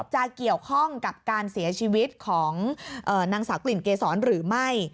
จะเกี่ยวข้องกับการเสียชีวิตของนางสาวกลิ่นเกษรหรือไม่